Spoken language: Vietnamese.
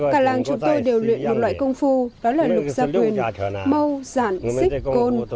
cả làng chúng tôi đều luyện một loại công phu đó là lục gia quyền mô giản xích côn